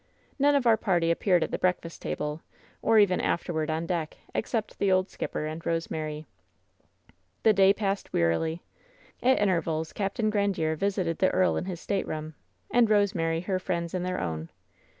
None of our party appeared at the breakfast table, or WHEN SHADOWS DIE 69 even afterward on deck, except the old skipper and Rose mary. The day passed wearily. At intervals Capt. Grandiere visited the earl in his Btateroom, and Rosemary her friends in their own.